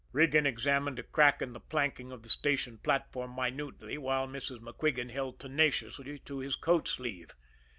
Regan examined a crack in the planking of the station platform minutely, while Mrs. MacQuigan held tenaciously to his coat sleeve.